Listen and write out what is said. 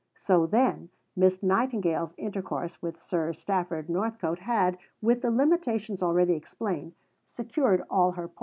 So, then, Miss Nightingale's intercourse with Sir Stafford Northcote had, with the limitations already explained, secured all her points.